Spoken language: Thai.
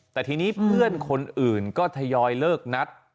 แต่ทีนี้เพื่อนคนอื่นก็ทยอยเลิกนัด